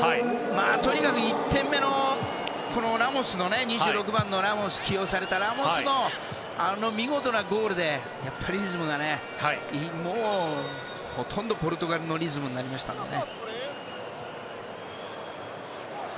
とにかく１点目の起用されたラモスのあの見事なゴールでやっぱりリズムがほとんどポルトガルのリズムになりましたのでね。